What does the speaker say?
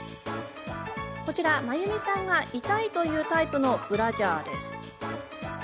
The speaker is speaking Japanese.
真由美さんが痛いというタイプのブラジャーです。